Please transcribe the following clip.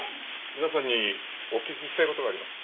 皆さんにお聞きしたい事があります。